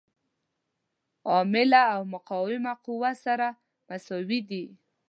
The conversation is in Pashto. عامله او مقاومه قوه سره مساوي دي.